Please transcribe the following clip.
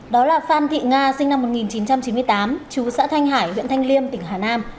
đó là phan thị nga sinh năm một nghìn chín trăm chín mươi tám chú xã thanh hải huyện thanh liêm tỉnh hà nam